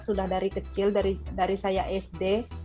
sudah dari kecil dari saya sd